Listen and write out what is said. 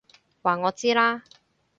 話我知啦！